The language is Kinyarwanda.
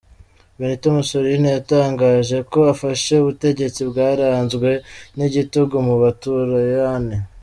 Benito Mussolini yatangaje ko afashe ubutegetsi bwaranzwe n’igitugu mu butaliyani.